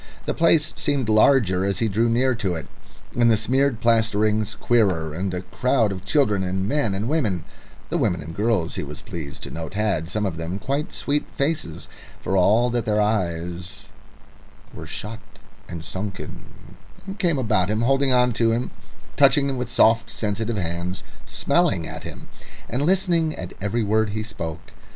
The place seemed larger as he drew near to it, and the smeared plasterings queerer, and a crowd of children and men and women (the women and girls, he was pleased to note, had some of them quite sweet faces, for all that their eyes were shut and sunken) came about him, holding on to him, touching him with soft, sensitive hands, smelling at him, and listening at every word he spoke.